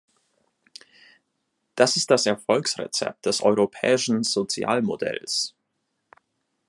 Das ist das Erfolgsrezept des europäischen Sozialmodells.